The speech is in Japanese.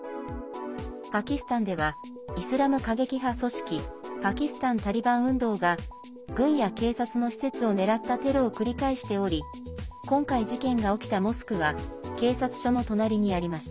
パキスタンではイスラム過激派組織パキスタン・タリバン運動が軍や警察の施設を狙ったテロを繰り返しており今回、事件が起きたモスクは警察署の隣にありました。